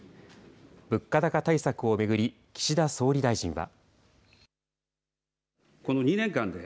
物価高対策を巡り、岸田総理大臣は。